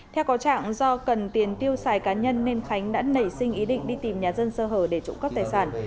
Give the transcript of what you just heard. theo có trạng do cần tiền tiêu xài cá nhân nên khánh đã nảy sinh ý định đi tìm nhà dân sơ hở để trụng cấp tài sản